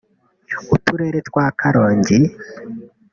uturere twa Karongi